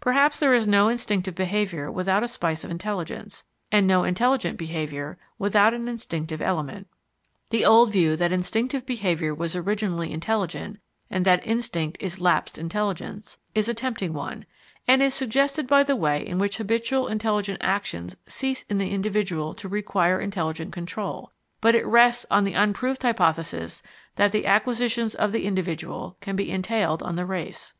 Perhaps there is no instinctive behaviour without a spice of intelligence, and no intelligent behaviour without an instinctive element. The old view that instinctive behaviour was originally intelligent, and that instinct is "lapsed intelligence," is a tempting one, and is suggested by the way in which habitual intelligent actions cease in the individual to require intelligent control, but it rests on the unproved hypothesis that the acquisitions of the individual can be entailed on the race.